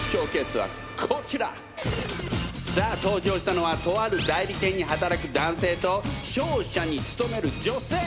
さあ登場したのはとある代理店に働く男性と商社に勤める女性。